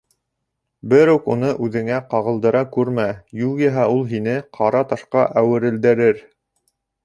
Берүк уны үҙеңә ҡағылдыра күрмә, юғиһә ул һине ҡара ташҡа әүерелдерер.